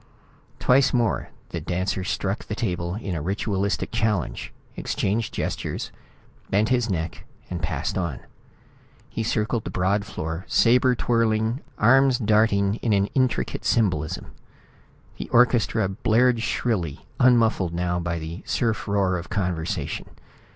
Twice more the dancer struck the table in ritualistic challenge, exchanged gestures, bent his neck and passed on. He circled the broad floor, sabre twirling, arms darting in an intricate symbolism. The orchestra blared shrilly, unmuffled now by the surf roar of conversation.